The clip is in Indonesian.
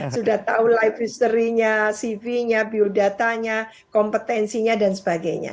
sudah tahu live history nya cv nya biodatanya kompetensinya dan sebagainya